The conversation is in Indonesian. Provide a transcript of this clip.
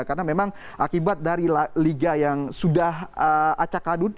karena memang akibat dari liga yang sudah acakadut